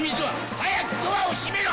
早くドアを閉めろ！